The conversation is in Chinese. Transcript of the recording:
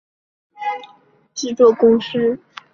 影像制作公司